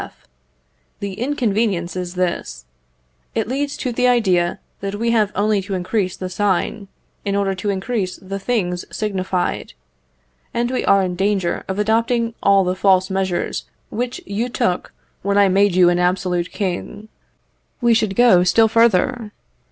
F. The inconvenience is this, it leads to the idea that we have only to increase the sign, in order to increase the things signified; and we are in danger of adopting all the false measures which you took when I made you an absolute king. We should go still further.